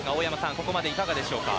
ここまでいかがでしょうか。